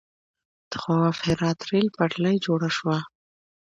د خواف هرات ریل پټلۍ جوړه شوه.